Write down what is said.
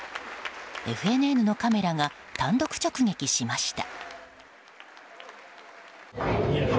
ＦＮＮのカメラが単独直撃しました。